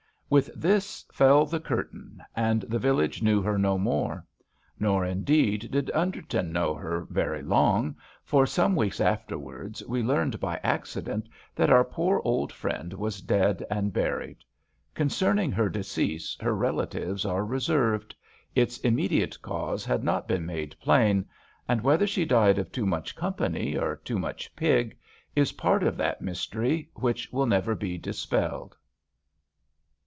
With this fell the curtain, and the village knew her no more ; nor, indeed, did Underton know her very long, for some weeks afterwards we learned by accident that our poor old friend was dead and buried. Concerning her decease her rela tives are reserved. Its immediate cause had not been made plain ; and, whether she died of too much company or too much pig, is part of that mystery which will never be dispelled.